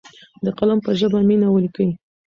د قلم په ژبه مینه ولیکئ.